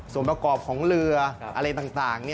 ส่วนประกอบของเรืออะไรต่าง